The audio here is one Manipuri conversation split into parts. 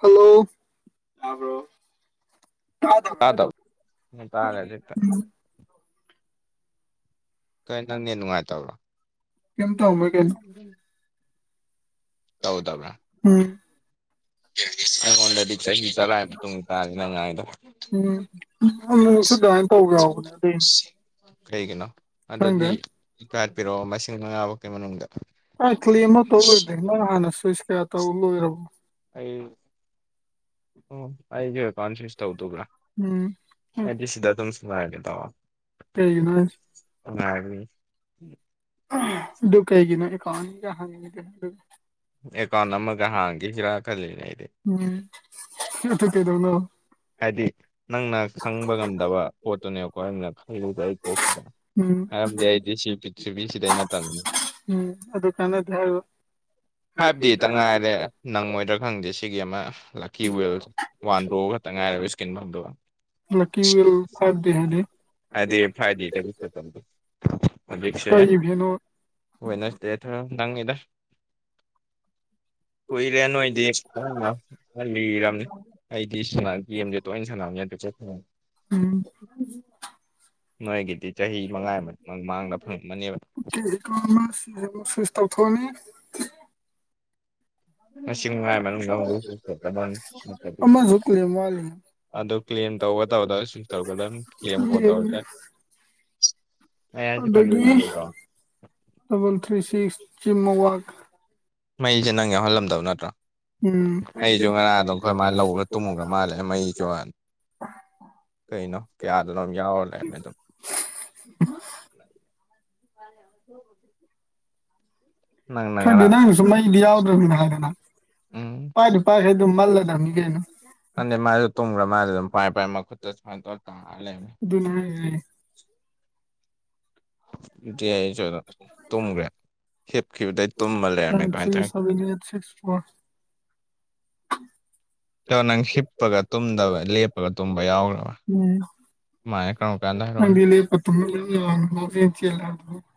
ꯍꯜꯂꯣ ꯇꯥꯕ꯭ꯔꯣ ꯇꯥꯗꯕ ꯇꯥꯔꯦ ꯍꯧꯖꯤꯛꯇ [unintelligible] [inaudible] ꯅꯪ ꯅꯦꯠ ꯅꯨꯡꯉꯥꯏꯇꯕ꯭ꯔꯣ ꯀꯩꯝ ꯇꯧꯔꯝꯃꯣꯏ ꯀꯩꯅꯣ ꯇꯧꯗꯕ꯭ꯔꯥ ꯎꯝ ꯑꯩꯉꯣꯟꯗꯗꯤ ꯆꯍꯤ ꯇꯔꯥ ꯃꯇꯨꯡꯨꯡ ꯇꯥꯏ ꯅꯪ ꯉꯥꯡꯏꯗꯨ ꯎꯝ [unintelligible] ꯑꯗꯨꯃꯥꯏꯅ ꯇꯧꯕ ꯌꯥꯎꯕꯅꯦ ꯑꯗꯨꯏꯅꯦ ꯀꯩꯒꯤꯅꯣ ꯈꯪꯗꯦ ꯑꯗꯨꯗꯤꯐꯠꯄꯤꯔꯛꯑꯣ ꯃꯁꯤꯡ ꯃꯉꯥ ꯐꯥꯎꯀꯤ ꯃꯅꯨꯡꯗ [unintelligible] ꯑꯩ ꯑꯣ ꯑꯩꯁ ꯀꯣꯟꯁꯤꯁ ꯇꯧꯗꯕ꯭ꯔꯥ ꯎꯝ ꯍꯥꯏꯗꯤ ꯁꯤꯗ ꯑꯗꯨꯝ ꯁꯉꯥꯏꯔꯒꯦ ꯇꯑꯣ ꯀꯩꯒꯤꯅꯣ ꯍꯥꯏꯁꯦ [unintelligible] ꯀꯩꯒꯤꯅꯣ ꯑꯦꯀꯥꯅꯤꯒ ꯍꯥꯏꯉꯗ ꯑꯦꯀꯥꯎꯟ ꯑꯃꯒ ꯍꯥꯡꯈꯤꯁꯤꯔꯥ ꯈꯜꯂꯤꯅꯦ ꯑꯩꯗꯤ ꯎꯝ ꯑꯗꯨ ꯀꯩꯗꯧꯅꯣ ꯍꯥꯏꯗꯤ ꯅꯪꯅ ꯈꯪꯕ ꯉꯝꯗꯕ ꯄꯣꯠꯇꯨꯅꯦꯕꯀꯣ ꯑꯩꯅ ꯈꯗ ꯑꯩ ꯇꯣꯛꯈꯤꯕꯗꯅ ꯎꯝ ꯃꯔꯝꯗꯤ ꯑꯩꯗꯤ ꯁꯤꯕꯤ ꯁꯤꯗꯩ ꯅꯠꯇ ꯎꯝ ꯑꯗꯨ ꯀꯥꯟꯗ ꯍꯥꯏꯕ꯫ ꯐꯥꯏꯚꯗꯦꯇꯪ ꯉꯥꯏꯔꯦ ꯅꯪꯉꯣꯏꯗ꯭ꯔꯥ ꯈꯪꯗꯦ ꯁꯤꯒꯤ ꯑꯃ ꯂꯛꯀꯤ ꯋꯤꯜ ꯋꯥꯟꯗ꯭ꯔꯣꯑ ꯇ ꯉꯥꯏꯔꯕ ꯏꯁꯀꯤꯟ ꯐꯪꯗꯣꯕ ꯂꯛꯀꯤ ꯋꯤꯜ ꯐꯥꯏꯚ ꯗꯦ ꯍꯥꯏꯗꯤ ꯍꯥꯏꯗꯤ ꯐꯥꯏꯗꯦ ꯀꯩ ꯏꯚꯦꯟꯅꯣ [inaudible] ꯋꯟꯅꯁꯗꯦ ꯊ ꯅꯪꯉꯦꯗ ꯀꯨꯏꯔꯦ ꯅꯣꯏꯗꯤ [inaudible] ꯂꯤꯔꯝꯅꯤ ꯑꯩꯗꯤ ꯒꯦꯝꯖꯦ ꯇꯣꯏꯅ ꯁꯥꯟꯝꯅꯤꯅ [inaudible] ꯎꯝ ꯅꯣꯏꯒꯤꯗꯤ ꯆꯍꯤ ꯃꯉꯥ ꯃꯃꯥꯡꯗ ꯐꯪꯉꯃꯅꯦꯕ [unintelligible] ꯉ ꯅꯨꯡꯉꯥꯏꯕ ꯑꯃꯁꯨ ꯀ꯭ꯂꯦꯝ ꯋꯥꯠꯂꯤ ꯑꯗꯨ ꯀ꯭ꯂꯦꯝ ꯇꯧꯕꯒ ꯇꯧꯗ ꯁꯤꯇꯔꯨꯗ ꯀ꯭ꯂꯦꯝ ꯀꯨꯝ ꯌꯦꯡꯒꯦ ꯇꯧꯔꯁꯦ ꯑꯦ ꯌꯥꯖ ꯐ ꯑꯗꯒꯤ ꯅꯗꯥꯎ ꯗꯕꯜ ꯊ꯭ꯔꯤ ꯁꯤꯛꯁ ꯖꯤꯃꯣ ꯋꯥꯥꯛ ꯃꯩꯁꯦ ꯅꯪ ꯌꯥꯎꯍꯜꯂꯝꯗꯕ ꯅꯠꯇ꯭ꯔꯥ ꯎꯝ ꯃꯩꯁꯨ ꯉꯔꯥꯡ ꯑꯗꯨꯝ ꯑꯩꯈꯣꯏ ꯃꯥ ꯂꯧꯔ ꯇꯨꯝꯉꯒ ꯃꯥꯜꯂꯦ ꯃꯩꯁꯨ ꯀꯩꯅꯣ ꯀꯌꯥꯗꯅꯣꯝ ꯌꯥꯎꯔ ꯂꯩꯔꯝꯃꯦ ꯑꯗꯨꯝ꯫ [inaudible] ꯈꯪꯗꯦ ꯅꯪꯅꯁꯨ ꯃꯩꯗꯤ [inaudible] ꯎꯝ ꯄꯥꯏꯗꯨ ꯄꯥꯏ ꯍ ꯗꯨꯝ ꯃꯜꯂ ꯗꯝꯃꯤ ꯀꯩꯅꯣ꯫ ꯅꯪꯗꯦ ꯃꯥꯖꯨ ꯇꯨꯝꯒ꯭ꯔ ꯃꯥꯜꯂꯦ ꯗꯨꯝ ꯄꯥꯏ ꯄꯥꯏ ꯃꯈꯨꯠꯇ ꯁꯨꯃꯥꯏꯅ ꯇꯧꯔ ꯇꯧꯔ ꯂꯩꯕꯅꯤ ꯑꯗꯨꯅꯦ ꯍꯖꯦ [inaudible] ꯇꯨꯝꯒ꯭ꯔꯦ꯫ ꯇꯧꯔ [inaudible] ꯀꯣ ꯅꯪ ꯍꯤꯞꯄꯒ ꯇꯨꯝꯗꯕ ꯂꯦꯞꯄꯒ ꯇꯨꯝꯕ ꯌꯥꯎꯒ꯭ꯔꯕ꯫ ꯎꯝ ꯃꯥꯥꯏ ꯀꯝꯀꯥꯟꯗ ꯍꯥꯏꯔꯣꯅꯦ ꯅꯪꯗꯤ [inaudible] [inaudible]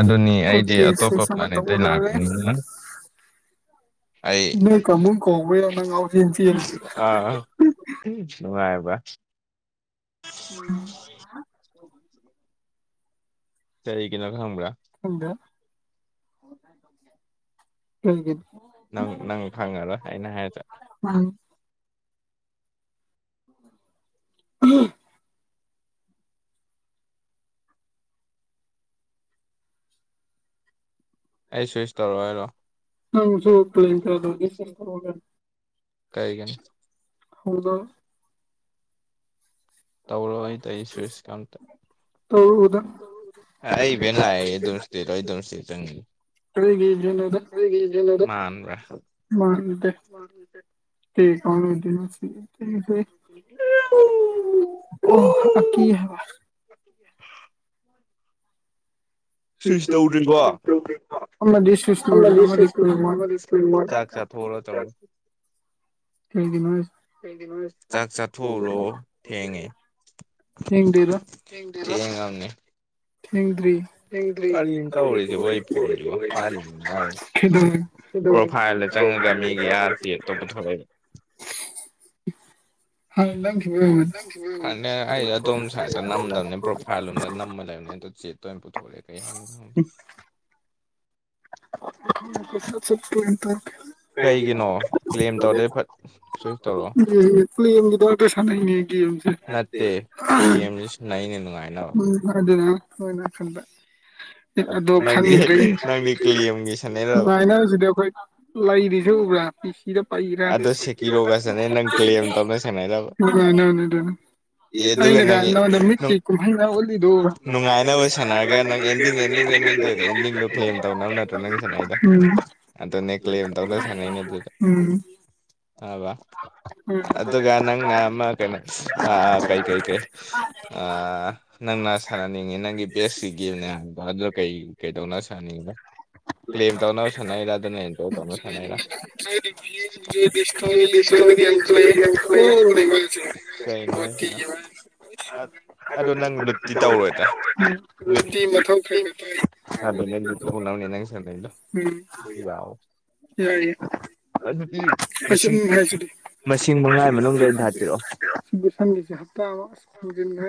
ꯑꯗꯨꯅꯤ ꯑꯩꯗꯤ ꯑꯇꯣꯞꯄ ꯄ꯭ꯂꯥꯅꯦꯠꯇꯩ ꯂꯥꯛꯄꯅꯤꯅ ꯑꯩ ꯅꯣꯢ ꯀꯥꯡꯕꯨ ꯅ ꯀꯧꯕ ꯔ ꯅꯪ ꯉꯥꯎꯖꯦꯟ ꯆꯦꯟꯁꯤ ꯑꯥ [unintelligible] [inaudible] ꯀꯔꯤꯒꯤꯅꯣ ꯈꯪꯕ꯭ꯔꯥ꯫ ꯈꯪꯗꯦ꯫ ꯀꯩꯒꯤꯅꯣ ꯅꯪ ꯅꯪ ꯈꯪꯉꯔꯣꯑꯩꯅ ꯍꯥꯏꯗꯣ ꯎꯝ꯫ ꯎꯍꯝ꯫ ꯑꯩ ꯁ꯭ꯋꯤꯁ ꯇꯧꯔꯣ ꯍꯥꯏꯔꯣ ꯍꯝ ꯅꯪꯁꯨ ꯍꯝ ꯄ꯭ꯂꯦꯟ ꯀꯩꯅꯣꯒꯤ ꯁꯤꯁꯇꯔ ꯍꯝ꯫ ꯑꯣꯏꯒꯅꯤ ꯀꯥꯏꯒꯅꯤ꯫ ꯍꯧꯅ ꯇꯧꯔꯣ ꯑꯩꯗ ꯑꯩ ꯁ꯭ꯋꯤꯁ ꯇꯧꯔꯨꯗ [unintelligible] ꯑꯩ ꯏꯕꯦꯟꯠ ꯂꯥꯛꯑꯦ ꯑꯗꯨꯅ [inaudible] ꯀꯔꯤꯒꯤ ꯀꯩꯅꯣꯗ [unintelligible] ꯃꯥꯟꯕ꯭ꯔꯥ ꯃꯥꯟꯗꯦ [unintelligible] ꯀꯩ ꯀꯥꯎꯟ ꯑꯣꯏꯗꯣꯏꯅꯣ ꯁꯤ ꯁꯦ [inaudible] ꯑꯣ ꯀ ꯀꯤꯍꯥꯏꯕ꯫ [inaudible] ꯁ꯭ꯋꯤꯁ ꯇꯧꯗ꯭ꯔꯤꯕꯣ ꯇꯧꯗꯦ꯫ ꯑꯃꯗꯤ ꯁ꯭ꯋꯤꯁ ꯂꯣꯏꯔꯦ ꯑꯃꯗꯤ ꯄ꯭ꯂꯦ ꯋꯥꯟ [unintelligible] ꯆꯥꯛ ꯆꯥꯊꯣꯛ ꯑꯔ ꯇꯧ [unintelligible] ꯒꯤꯅꯣꯍꯦ꯫ ꯆꯥꯛ ꯆꯥꯊꯣꯛꯎꯔꯣ ꯊꯦꯡꯉꯦ꯫ ꯊꯦꯡꯗꯦꯗ [unintelligible] ꯌꯦꯉꯝꯅꯦ ꯀꯔꯤꯅꯣ ꯇꯧꯔꯤꯁꯤꯕꯣ ꯑꯩ ꯐꯣꯟꯁꯤꯕꯣ [unintelligible] ꯄꯥꯏꯔꯤꯅꯤ ꯄꯥꯏꯔꯤ ꯄ꯭ꯔꯣꯐꯥꯏꯜꯗ ꯆꯪꯉꯒ ꯄ꯭ꯔꯣꯐꯥꯏꯜꯔ ꯃꯤꯒꯤ ꯑꯥꯔ ꯄꯦꯠꯇꯣ ꯄꯨꯊꯣꯔꯛꯏꯕ [inaudible] ꯑꯅꯦ ꯑꯩ ꯑꯗꯣꯝ ꯁꯥꯏꯠ ꯆꯪꯉꯝꯗꯝꯅꯦ ꯄ꯭ꯔꯣꯐ ꯏꯝꯐꯥꯜ ꯂꯣꯝꯗ ꯅꯝꯃ ꯂꯩꯕꯅꯦ ꯑꯗꯣ ꯆꯦꯠꯇ ꯑꯣꯏꯅ ꯄꯨꯊꯣꯔꯛꯑꯦ ꯀꯩ ꯁꯟ ꯇꯔ ꯀꯩꯒꯤꯅꯣ ꯀ꯭ꯂꯦꯝ ꯇꯧꯔꯗꯩ ꯐꯠ ꯁ꯭ꯋꯤꯞ ꯇꯧꯔꯛꯑꯣ ꯄ꯭ꯂꯝꯒꯤꯗ ꯀꯩꯁꯥꯅꯅꯦ ꯦꯦꯝ ꯅꯠꯇꯦ ꯒꯦꯝꯁꯤꯁꯨ ꯅꯅꯦ ꯅꯨꯡꯉꯥꯏꯅꯕ ꯎ ꯍꯣꯏꯅ ꯈꯟꯗ ꯑꯗꯣ ꯅꯪꯗꯤ ꯈꯪꯗ꯭ꯔꯤ ꯅꯪꯗꯤ ꯀ꯭ꯂꯦꯝꯒꯤ ꯁꯥꯟꯅꯩꯔꯕ ꯑꯗꯨꯃꯥꯏꯅ ꯁꯤꯗꯤ ꯑꯩꯈꯣꯏ ꯂꯩꯔꯤ ꯖꯦ ꯎꯕ꯭ꯔꯥ꯫ ꯑꯗꯣ ꯁꯦꯀꯤꯔꯣꯒ ꯁꯥꯟꯅꯩ ꯅꯪ ꯀ꯭ꯂꯦꯝ ꯇꯧꯅ ꯁꯥꯟꯅꯩꯔꯕ ꯑꯦ [unintelligible] ꯑꯗꯨꯒ ꯑꯩꯅꯒ ꯅꯪ ꯅꯉꯣꯟꯗ ꯃꯤꯠꯀꯤ ꯅꯨꯡꯉꯥꯏꯅꯕ ꯁꯥꯟꯅꯔꯒ ꯅꯪ ꯑꯦꯟꯗꯤꯡ ꯑꯦꯟꯗꯤꯡ ꯑꯦꯟꯗꯤꯡꯗꯨ ꯑꯣꯏꯔ ꯑꯦꯟꯗꯤꯡꯗꯣ ꯀ꯭ꯂꯦꯝ ꯇꯧꯅꯕ [unintelligible] ꯅꯪ ꯅꯠꯇ꯭ꯔꯣ ꯁꯥꯟꯅ ꯑꯩꯗꯣ ꯎꯝ ꯑꯟꯇꯅꯦ ꯀ꯭ꯂꯦꯝ ꯇꯧꯅ ꯁꯥꯟꯅꯩꯅꯦ ꯑꯗꯨꯗ ꯎꯝ ꯑꯕ ꯎꯝ ꯑꯗꯨꯒ ꯅꯪꯅ ꯑꯃ ꯀꯩꯅꯣ ꯑ ꯀꯩ ꯀꯩꯀꯩ ꯑ ꯅꯪꯅ ꯁꯥꯟꯅꯅꯤꯡꯉꯤ ꯅꯪꯒꯤ ꯕꯦꯁꯀꯤ ꯒꯦꯝꯅꯦ ꯍꯥꯏꯕꯗꯣ ꯑꯗꯨꯣ ꯀꯩ ꯀꯩꯗꯧꯅ ꯁꯥꯟꯅꯅꯤꯡꯉꯤꯅꯣ ꯀ꯭ꯂꯦꯝ ꯇꯧꯅꯕ ꯁꯥꯟꯅꯩꯔ ꯑꯗꯨꯅ ꯑꯦꯟꯇꯧ ꯇꯧꯅꯕ ꯁꯥꯟꯅꯩꯔ ꯏꯁꯣꯔꯤꯗ ꯀꯄ꯭ꯂꯅꯤ ꯅꯁꯤꯅ ꯑꯗꯨ ꯅꯪ ꯨꯇꯤ ꯇꯧꯔꯣꯏꯗ꯭ꯔ ꯔꯣꯇꯤ ꯔꯣꯇꯤ ꯃꯊꯧ ꯈꯔ ꯈꯔ ꯇꯥꯏ ꯊꯗ ꯊ ꯎꯝ ꯌꯥꯑꯣ ꯌꯥ ꯑꯗꯨꯗꯤ ꯃꯁꯤꯡ ꯃꯁꯤꯡ ꯃꯉꯥꯒꯤ ꯃꯅꯨꯡꯗ ꯑꯩꯅ ꯍꯥꯞꯄꯤꯔꯛꯑꯣ ꯁꯤꯒꯁꯟꯒꯤꯁꯦ ꯍꯞꯇꯥ ꯑꯃ ꯐꯪꯖꯤꯟꯦ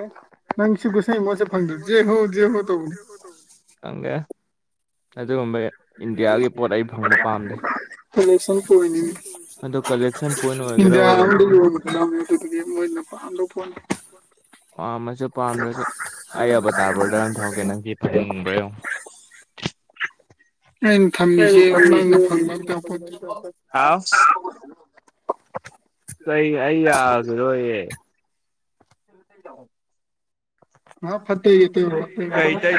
ꯅꯪ ꯁꯤꯒꯁꯪ ꯃꯥꯁꯦ ꯐꯪꯗ꯭ꯔꯦ ꯖꯦ ꯍꯧ ꯖꯦ ꯍꯣ ꯇꯧꯕꯅꯦ [inaudible] ꯍꯪꯒꯦ ꯄꯣꯠ ꯑꯩ ꯐꯪꯕ ꯄꯥꯝꯗꯦ [inaudible] ꯀꯂꯦꯛꯁꯟ ꯄꯅꯤꯡ ꯑꯗꯣ ꯀꯂꯦꯛꯁꯟ ꯄꯣꯏꯟ ꯑꯣꯏꯒꯦꯔꯥ ꯏꯟꯗꯤꯌꯥ ꯑꯃꯗ ꯑꯣꯏꯔꯣꯏꯒꯦꯔꯥ ꯌꯣꯟꯕꯒꯗꯕꯅꯤ ꯑꯗꯨꯗꯒꯤ ꯃꯣꯏꯅ ꯄꯟꯗ ꯐꯣꯣꯟ ꯄꯥꯝꯃꯁꯨ ꯄꯥꯝꯗ꯭ꯔꯁꯨ ꯑ ꯑꯕꯇꯥꯕꯗ ꯑꯗꯨꯝ ꯊꯝꯛꯀꯦ ꯅꯪꯒꯤ ꯐꯅꯤꯡꯕ꯭ꯔꯥꯡꯉ ꯑꯩꯅ ꯊꯝꯃꯤꯁꯦꯃꯪꯗ ꯐꯪꯕꯗ ꯄꯣꯠꯇ ꯑꯥꯎ ꯀ ꯑꯩ ꯌꯥꯒ꯭ꯔꯣꯌꯦ ꯑ ꯑ ꯐꯠꯇ ꯌꯦ ꯐ ꯀꯩ ꯇꯩ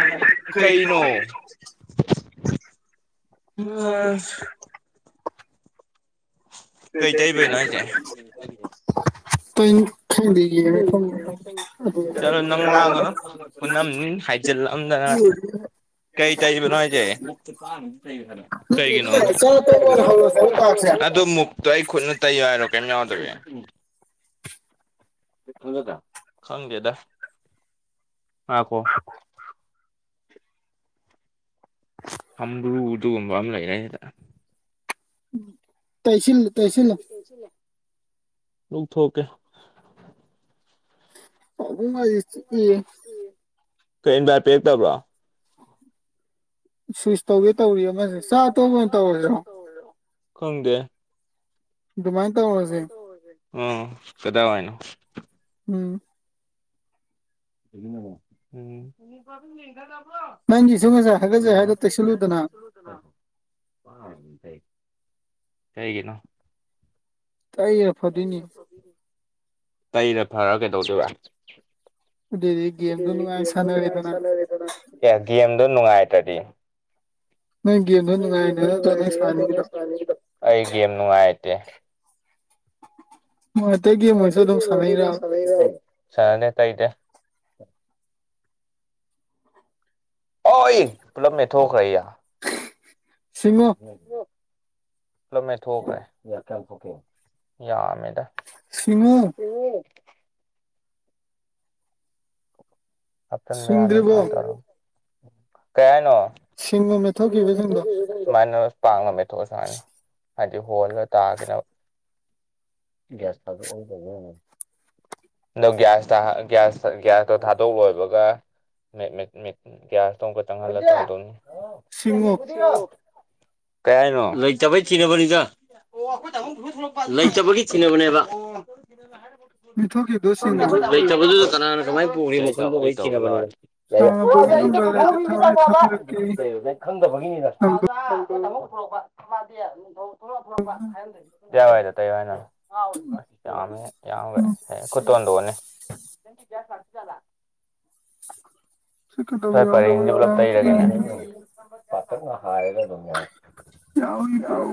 ꯀꯩꯅꯣ ꯎꯝ ꯑꯁ ꯀꯩ ꯇꯩꯕꯩꯅꯣ ꯍꯥꯏꯁꯦ ꯑꯇꯩ ꯈꯪꯗꯦ ꯌꯦꯡꯉ ꯈꯪꯅꯤ ꯑꯗꯨ ꯣ ꯅꯒꯥꯒꯔ ꯄꯅꯝ ꯍꯥꯏꯖꯤꯜꯂꯝꯗꯅ ꯀꯩ ꯆꯥꯏꯕꯅꯣ ꯍꯥꯏꯁꯦ ꯀꯩꯒꯤꯅꯣ ꯍꯣꯣ ꯑꯁ ꯇꯣ ꯑꯩ ꯈꯨꯠꯅ ꯇꯩꯌꯨ ꯍꯥꯏꯔꯣ ꯀꯩꯝ ꯌꯥꯎꯗꯒꯦ ꯈꯪꯗꯦꯗ ꯉꯈꯣ [inaudible] ꯍꯝꯕ꯭ꯔꯨ ꯑꯗꯨꯒꯨꯝꯕ ꯑꯃ ꯂꯩꯔꯦ ꯁꯤꯗ ꯇꯩꯁꯤꯜ ꯂꯧꯊꯣꯛꯀꯦ ꯍꯕꯨꯨꯡ ꯃꯥ ꯏ ꯀꯩꯦꯟ ꯚꯥꯏ ꯄꯤꯔꯛꯇꯕ꯭ꯔꯣ ꯁ꯭ꯋꯁ ꯇꯧꯒꯦ ꯇꯧꯔꯤ ꯑꯃꯁꯦ ꯆꯥꯛ ꯈꯪꯗꯦ ꯑꯗꯨꯃꯥꯏꯅ ꯇꯧꯔꯁꯦ ꯑ ꯀꯗꯥ ꯋꯥꯅ ꯎꯝ ꯎꯝ ꯅꯪꯒꯤ ꯁ ꯉꯁꯦ ꯍꯥꯏꯒꯠꯆꯦ ꯍꯥꯏꯅ ꯇꯩꯁꯜꯂꯨꯗꯅ ꯀꯩꯒꯤꯅ ꯇꯥꯏꯌꯦꯔ ꯐꯗꯣꯏꯅꯤ ꯇꯩꯔ ꯐꯔ ꯀꯩꯗꯧꯗꯣꯏꯕ ꯑꯗꯨꯏꯗꯤ ꯒꯦꯝꯗꯣ ꯅꯨꯡꯉꯥꯏꯅ ꯅꯨꯡ ꯁꯥꯟꯅꯔꯦꯗꯅ ꯑꯦ ꯒꯦꯝꯗꯣ ꯅꯨꯡꯉꯥꯏꯇ꯭ꯔꯗꯤ ꯅꯪ ꯒꯦꯝꯗꯣ ꯅꯨꯡ ꯅꯨꯡꯉꯥꯏꯅ ꯅꯠꯇ꯭ꯔꯣ ꯅꯪ ꯁꯥꯟꯅꯩꯗꯣ ꯑꯩꯒꯦꯝ ꯅꯨꯡꯉꯥꯏꯇꯦ ꯅꯨꯡꯉꯥꯏꯇ ꯒꯦꯝ ꯑꯣꯏꯔꯁꯨ ꯑꯗꯨꯝ ꯁꯥꯟꯅꯩꯔꯕ ꯁꯅꯦ ꯇꯥꯏꯗ ꯍ ꯄꯨꯂꯞ ꯃꯦꯠꯊꯣꯛꯈ꯭ꯔ ꯌꯥ ꯁꯤꯁꯤꯡꯃ ꯂ ꯃꯃꯦ ꯊꯣꯛꯈꯦ ꯊꯣꯛ ꯌꯥꯃꯦꯗ ꯁꯤꯉꯣ ꯎ ꯍꯥꯞꯆꯤꯟꯕ ꯌꯥꯅꯤ ꯁꯤꯡꯗ꯭ꯔꯤꯕꯣ ꯇꯔꯣ ꯀꯌꯥ ꯍꯥꯏꯅꯣ ꯁꯤꯡꯉꯣ ꯃꯦꯠꯊꯣꯛꯈꯤꯕꯁꯤꯡꯗꯣ ꯁꯨꯃꯥꯏꯅ ꯄꯥꯡꯉꯝꯃꯦ ꯊꯣꯛꯑ ꯁꯨꯃꯥꯏꯅ ꯍꯥꯏꯗꯤ ꯍꯣꯜꯂꯒ ꯇꯥꯒꯦꯅ ꯒꯁꯇ ꯑꯣꯏꯕ [inaudible] ꯅ ꯭ꯁ ꯊꯁꯁ ꯊ [inaudible] ꯂꯣꯏꯕꯒ ꯒ꯭ꯌꯥꯁ ꯇꯣꯡ [inaudible] ꯕ ꯇꯪꯍꯜꯂ ꯇꯧꯗꯣꯏꯅꯤ ꯁꯤꯡꯉꯣ ꯀꯩꯍꯥꯢꯅꯣ ꯂꯩꯇꯕꯩ ꯊꯤꯗꯕꯅꯤꯗ ꯂꯩꯇꯕꯒꯤ ꯊꯤꯅꯕꯅꯦꯕ ꯃꯦꯠꯊꯣꯛꯈꯤꯕꯗꯣ ꯁꯤꯡꯉꯣ ꯂꯩꯇꯕꯗꯨꯗ ꯀꯅꯥꯅ ꯀꯃꯥꯏ ꯄꯨꯈ꯭ꯔꯤꯅꯣꯅ ꯈꯪꯗꯕꯩ ꯊꯤꯅꯕꯅꯦ ꯌꯥ ꯁꯥꯟꯅꯕꯒꯤ ꯅꯝꯕꯔ ꯂꯩꯔꯗꯤ ꯊꯋꯥꯏ ꯕꯕꯥ ꯊꯥꯕꯤꯔꯛꯀꯦ [inaudible] ꯈꯪꯗꯕꯒꯤꯅꯤꯗ ꯅꯝꯕꯔ ꯛꯋꯥꯏꯗ ꯇꯩ ꯌꯥꯝ ꯌꯥꯝꯈ꯭ꯔꯦ ꯀꯊꯟꯅꯤ ꯁꯤ ꯀꯗꯕ ꯁ꯭ꯋꯥꯏ ꯌꯥꯎ ꯄꯔꯦꯡꯁꯦ ꯂ ꯄꯨꯂꯞ ꯇꯩꯔꯒꯦꯅꯦ ꯄꯥꯛꯇꯛꯅ ꯍꯥꯏꯔꯒ ꯑꯗꯨꯝ ꯌꯥꯏ ꯌꯥꯕꯒꯤ ꯄ꯭ꯔꯣ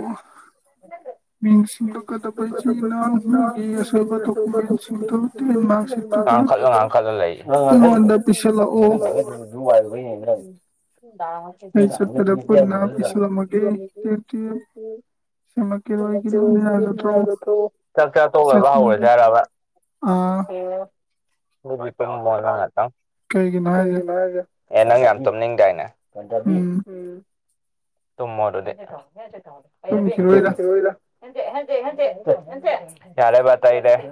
ꯃꯤꯡꯁꯤꯡꯗꯣꯛꯀꯗꯕ ꯏꯆꯦ ꯏꯅꯥꯎ ꯃꯣꯏꯒꯤ ꯑꯁꯣꯏꯕ ꯗꯣꯀꯨꯃꯦꯟꯁꯤꯡꯗꯨꯣ ꯇꯦꯟꯃꯥꯡꯁꯤ ꯉꯥꯡꯈꯠꯂꯒ ꯉꯥꯡꯈꯠꯂ ꯂꯩ ꯄꯤꯁꯜꯂꯛꯑꯣ ꯑꯗꯨ [inaudible] ꯑꯩ ꯆꯠꯄꯗ ꯄꯨꯟꯅ ꯄꯤꯁꯜꯂꯝꯃꯒꯦ ꯇꯦꯞ ꯇꯦꯞ ꯁꯦꯝꯃꯛꯀꯦꯔꯣꯏꯒꯤ ꯂꯣꯏꯅ ꯌꯥꯒꯗ꯭ꯔꯣ ꯆꯥꯛ ꯆꯥꯛꯣꯕ ꯆꯠꯄꯗꯣ ꯍꯧꯔꯦꯁ ꯍꯥꯏꯔꯕ ꯑꯥ [inaudible] ꯀꯜ ꯃꯣꯅꯥ [inaudible] ꯀꯩꯒꯤꯅꯣ ꯍꯥꯏꯖꯦ ꯑꯦ ꯅꯪ ꯌꯥꯝ ꯇꯨꯝꯅꯤꯡꯗꯥꯏꯅꯦ ꯎꯝ ꯇꯨꯝꯃꯣ ꯑꯗꯨꯗꯤ ꯇꯨꯝꯈꯤꯔꯣꯏꯗ ꯌꯥꯔꯦꯕ ꯇꯩꯔꯦ [inaudible]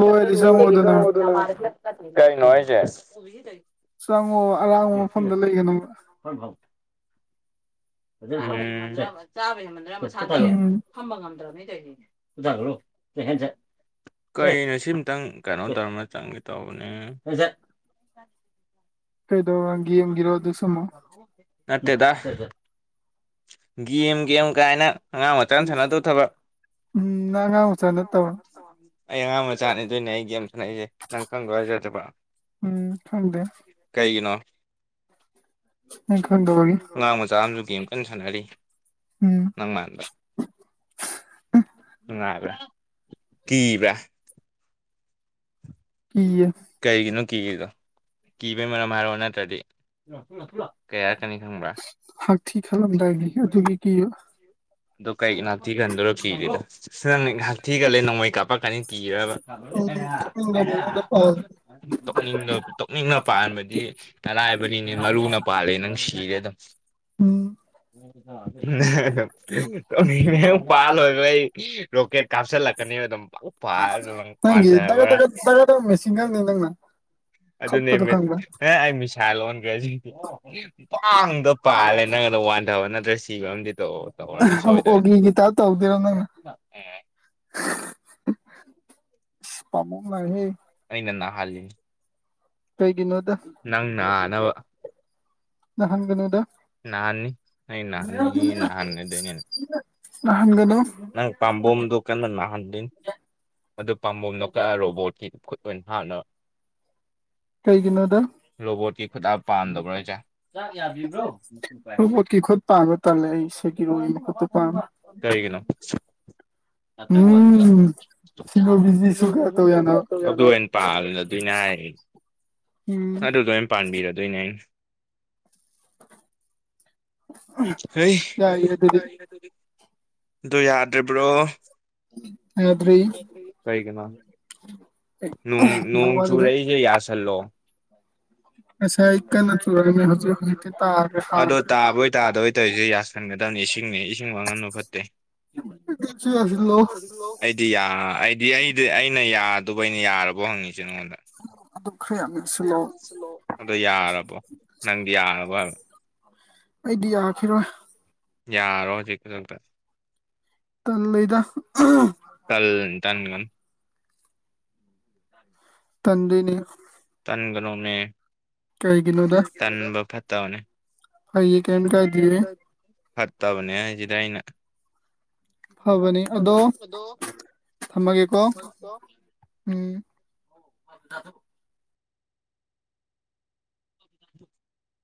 ꯂꯣꯏꯔꯗꯤ ꯆꯪꯉꯣ ꯑꯗꯨꯅ ꯀꯩꯅꯣ ꯍꯥꯢꯁꯦ ꯆꯪꯕꯨ ꯑꯔꯥꯡꯕ ꯃꯐꯝꯗ ꯂꯩꯒꯅꯨ ꯍꯣꯏ ꯆꯥꯕ ꯍꯃꯗ꯭ꯔ ꯁꯥ ꯎꯝ ꯈꯝꯕ ꯉꯝꯗ꯭ꯔꯕꯅꯦ ꯀꯅꯦ [inaudible] ꯀꯩꯅꯣ ꯁꯤꯃꯇꯪ ꯀꯩꯅꯣ ꯇꯧꯔꯝꯃꯒ ꯆꯪꯒꯦ ꯇꯧꯅꯦ ꯀꯩꯗꯧꯔ ꯒꯦꯝꯒꯤꯔꯣ ꯑꯗꯨꯁꯨ ꯑꯃꯨꯛ ꯅꯠꯇꯦꯗ ꯒꯦꯝ ꯒꯦꯝ ꯀꯥꯏꯅ ꯑꯉꯥꯡ ꯃꯆꯥꯅ ꯁꯥꯟꯅꯗꯧ ꯊꯕꯛ ꯎꯝ ꯅꯪ ꯑꯉꯥꯡ ꯃꯆꯥ ꯅꯠꯇꯕ ꯑꯩ ꯑꯉꯥꯡ ꯃꯆꯥꯅꯦ ꯗꯣꯏꯅꯦ ꯑꯩ ꯒꯦꯝ ꯁꯥꯟꯅꯩꯁꯦ ꯅꯪ ꯈꯪꯗ꯭ꯔꯣ ꯍꯧꯖꯤꯛꯐꯥꯎ ꯎꯝ ꯈꯪꯗꯦ ꯀꯩꯒꯤꯅꯣ ꯅꯪ ꯈꯪꯗꯕꯒꯤ ꯑꯉꯥꯡ ꯃ ꯃꯆꯥ ꯑꯃꯁꯨ ꯒꯦꯝ ꯀꯟꯅ ꯁꯥꯟꯅꯔꯤ ꯎꯝ ꯅꯪ ꯃꯥꯟꯕ ꯅꯨꯡꯉꯥꯏꯕ꯭ꯔꯥ ꯀꯤꯕ꯭ꯔꯥ ꯀꯤꯌꯦ ꯀꯩꯒꯤꯅꯣ ꯀꯤꯔꯤꯗꯣ ꯀꯤꯕꯩ ꯃꯔꯝ ꯍꯥꯏꯔꯛꯑꯣ ꯅꯠꯇ꯭ꯔꯗꯤ ꯀꯩ ꯍꯥꯢꯔꯛꯀꯅꯤ ꯈꯪꯕ꯭ꯔꯥ ꯍꯥꯛꯊꯤ ꯈꯜꯂꯝꯗꯥꯏꯒꯤ ꯑꯗꯨꯒꯤ ꯀ [inaudible] ꯑꯗꯣ ꯀꯩꯒꯤꯅꯣ ꯍꯥꯡꯡꯊꯤ ꯒꯟꯗꯣꯏꯔꯣ ꯀꯤꯗꯦꯅ ꯅꯪ ꯍꯥꯡꯊꯤ ꯒꯜꯂꯦ ꯅꯣꯡꯃꯩ ꯀꯥꯞꯄꯛꯀꯅꯤꯅ ꯀꯤꯔꯤꯔꯕ ꯅ [inaudible] ꯑꯣ [inaudible] ꯇꯨꯝꯅꯤꯡ ꯇꯨꯝꯅꯤꯡꯅ ꯄꯥꯟꯕꯗꯤ ꯑꯔꯥꯏꯕꯅꯤꯅꯦ ꯃꯔꯨꯅ ꯄꯥꯜꯂꯦ ꯅꯪ ꯁꯤꯔꯦ ꯑꯗꯨꯝ ꯎꯝ [inaudible] ꯀꯔꯤꯅꯣ ꯄꯥꯜ ꯂꯣꯢꯕꯩ ꯔꯣꯀꯦꯠ ꯀꯥꯞꯁꯤꯜꯂꯛꯀꯅꯤ ꯑꯗꯨꯝ ꯄꯥꯏꯪ ꯄꯥꯟꯗꯕ [inaudible] ꯃꯦꯖꯤꯟꯒꯥꯟꯅꯤ ꯅꯪꯅ ꯈꯞꯄꯗꯣ ꯑꯗꯨꯅꯦꯃꯤ ꯈꯪꯕ꯭ꯔꯥ ꯑꯩ ꯃꯤꯁꯥ ꯑꯣꯟꯈ꯭ꯔꯦꯁꯤꯗꯤ꯫ ꯄꯥꯡꯗꯣ ꯄꯥꯜꯂꯦ ꯅꯪꯒꯗꯣ ꯋꯥꯟꯊꯕ ꯅꯠꯇ꯭ꯔꯦ ꯁꯤꯕ ꯑꯃꯗꯤ ꯇꯧ꯫ ꯇꯧꯔꯅꯤ ꯁꯣꯏꯗꯕꯤꯗ ꯑꯣꯒꯤꯒꯤ ꯇ ꯇꯧꯗꯔꯣ ꯅꯪꯅꯦ꯫ ꯑꯦ ꯄꯥꯝꯕꯣꯝ ꯅꯥꯏꯍꯦ꯫ ꯑꯩꯅ ꯅꯥꯍꯜꯅꯤꯅꯤ꯫ ꯀꯩꯒꯤꯅꯣꯗ꯫ ꯅꯪ ꯅꯥꯅꯕ꯫ ꯅ ꯍꯪꯒꯅꯨꯗ꯫ ꯅꯍꯥꯟ ꯑꯩ ꯅꯍꯥꯟꯅꯤ ꯅꯍꯥꯟ ꯑꯣꯢꯗꯨꯢꯅꯦ ꯅꯍꯥꯟꯒꯅꯨ ꯅꯪ ꯄꯥꯝꯕꯣꯝꯗꯣ ꯀꯟꯅ ꯅꯥꯍꯟꯗꯣꯏꯅꯤ ꯃꯗꯨ ꯄꯥꯝꯕꯣꯝꯗꯣ ꯀꯛꯑ ꯔꯣꯕꯣꯠꯀꯤ ꯈꯨꯠ ꯑꯣꯏꯅ ꯍꯥꯞꯅꯕ ꯀꯩꯒꯤꯅꯣ ꯑꯗꯣ ꯔꯣꯕꯣꯠꯀꯤ ꯈꯨꯠ ꯍꯥꯞ ꯄꯥꯝꯗꯕ꯭ꯔꯣ ꯍꯥꯢꯖꯦ ꯈꯨꯣꯠꯀꯤ ꯈꯨꯣꯠ ꯄꯥꯕ ꯇꯥꯜꯂꯦ ꯑꯩ ꯁꯤꯦꯒꯤꯔꯣ ꯈꯨꯠꯇꯣ [inaudible] ꯄꯥꯝꯃꯦ ꯀꯔꯤꯒꯤꯅꯣ [inaudible] ꯎꯝ ꯐꯨꯠꯕꯣꯜꯒꯤ ꯁꯤꯖꯤ ꯀꯌꯅꯣ꯫ ꯑꯗꯨ ꯑꯣꯏꯅ ꯄꯥꯜꯂꯗꯣꯏꯅꯦ ꯍꯥꯏꯔꯤ ꯎꯝ꯫ ꯏꯅꯥꯏꯟ [inaudible] [inaudible] ꯌꯥꯗꯔꯤ꯫ ꯀꯩꯒꯤꯅꯣ ꯅꯣꯡ ꯅꯣꯡ ꯆꯨꯔꯔꯤꯁꯦ ꯌꯥꯁꯟ ꯂꯣ꯫ ꯉꯁꯥꯏ ꯀꯟꯅ ꯆꯨꯔꯝꯃꯦ ꯍꯧꯖꯤꯛ ꯍꯧꯖꯤꯛꯇꯤ ꯇꯥꯈ꯭ꯔꯦ ꯑꯗꯣ ꯍꯥꯡꯈ꯭ꯔꯦ ꯇꯥꯕꯣꯏ ꯇꯥꯗꯣꯏ ꯇꯧꯔꯤꯁꯦ ꯌꯥꯁ꯫ ꯈꯪꯒꯗꯕꯅꯤ ꯏꯁꯤꯡꯅꯦ ꯏꯁꯤꯡ ꯃꯉꯟꯕ ꯐꯠꯇꯦ꯫ ꯌꯥꯁꯤꯜꯂꯣ ꯑꯩꯗꯤ ꯑꯩꯗꯤ ꯑꯩꯗꯤ ꯑꯩꯅ ꯌꯥ꯫ ꯑꯩꯅ ꯌꯥꯔꯕꯣ ꯍꯪꯉꯤꯁꯦ ꯅꯉꯣꯟꯗ ꯑꯗꯨꯝ ꯈꯔ ꯌꯥꯝ ꯌꯥꯁꯤꯜꯂꯣ ꯑꯗꯣ ꯌꯥꯔꯕꯣ꯫ ꯅꯪꯗꯤ ꯌꯥꯔꯕꯣ ꯍꯥꯏꯕ ꯑꯩꯗꯤ ꯌꯥꯈꯤꯔꯣꯏ꯫ ꯌꯥꯔꯣ ꯍꯧꯖꯤꯛ ꯈꯨꯗꯛꯇ꯫ ꯇꯝꯃꯣꯏꯗ꯫ ꯀꯜ ꯇꯟꯒꯅꯨ꯫ ꯇꯟꯗꯣꯏꯅꯦ ꯇꯟꯒꯅꯣꯅꯦ꯫ ꯀꯩꯒꯤꯅꯣꯗ ꯇꯟꯕ ꯐꯠꯇꯕꯅꯦ꯫ ꯍꯣꯌꯦ ꯀꯔꯤꯝ ꯀꯥꯏꯗꯤꯌꯦ꯫ ꯐꯠꯇꯕꯅꯦ ꯍꯥꯏꯁꯤꯗ ꯑꯩꯅ꯫ ꯐꯕꯅꯤ ꯑꯗꯣ ꯊꯝꯃꯒꯦꯀꯣ [unintelligible] ꯎꯝ꯫ ꯊꯗꯧ꯫ [inaudible]